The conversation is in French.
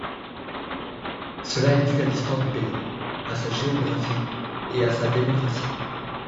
Cela est dû à l’histoire du pays, à sa géographie et à sa démographie.